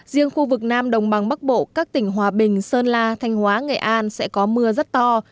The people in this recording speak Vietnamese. riêng khu vực nam đồng bằng bắc bộ các tỉnh hòa bình sơn la thanh hóa nghệ an sẽ có mưa rất to